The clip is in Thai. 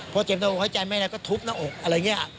พอเจ็บหน้าอกหายใจไม่ได้ก็ทุบหน้าอกอะไรอย่างนี้